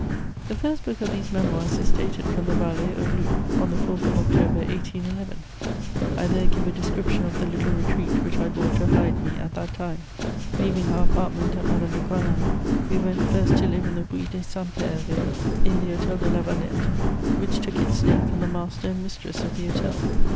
] The first book of these Memoirs is dated from the Vallée aux Loups, on the 4th of October 1811: I there give a description of the little retreat which I bought to hide me at that time. Leaving our apartment at Madame de Coislin's, we went first to live in the Rue des Saints Perès, in the Hôtel de Lavalette, which took its name from the master and mistress of the hotel.